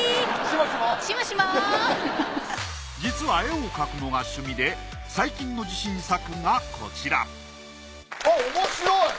実は絵を描くのが趣味で最近の自信作がこちらおもしろい！